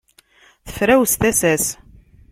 Tefrawes tasa-s.